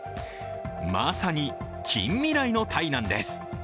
まさに近未来の鯛なんです。